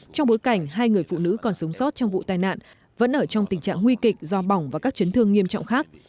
trong bối cảnh hai người phụ nữ còn sống sót trong vụ tai nạn vẫn ở trong tình trạng nguy kịch do bỏng và các chấn thương nghiêm trọng khác